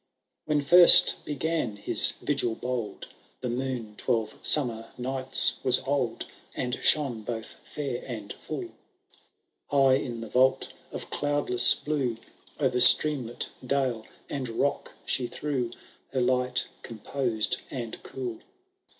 When first began his vigil bold, The moon twelve summer nights was old, And shone both fair and full ; High in the vault of cloudless blue, O^er streamlet, dale, and rock, she threw Her light composed and cool.